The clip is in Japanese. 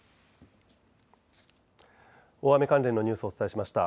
大雨関連のニュースをお伝えしました。